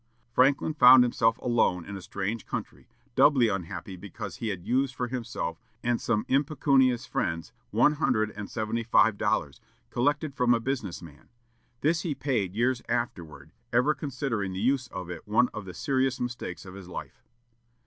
Franklin found himself alone in a strange country, doubly unhappy because he had used for himself and some impecunious friends one hundred and seventy five dollars, collected from a business man. This he paid years afterward, ever considering the use of it one of the serious mistakes of his life.